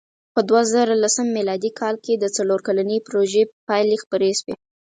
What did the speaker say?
په دوهزرهلسم مېلادي کال کې د څلور کلنې پروژې پایلې خپرې شوې.